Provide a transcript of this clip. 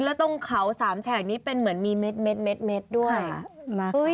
แล้วตรงเขาสามแฉกนี้เป็นเหมือนมีเม็ดด้วยนะ